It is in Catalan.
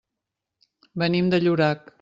Venim de Llorac.